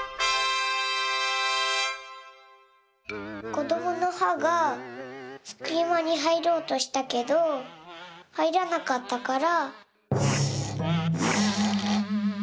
こどものはがすきまにはいろうとしたけどはいらなかったから。